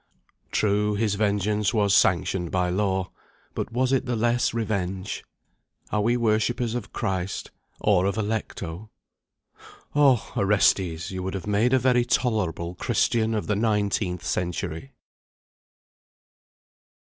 True, his vengeance was sanctioned by law, but was it the less revenge? Are we worshippers of Christ? or of Alecto? Oh! Orestes! you would have made a very tolerable Christian of the nineteenth century!